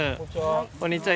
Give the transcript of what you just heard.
こんにちは。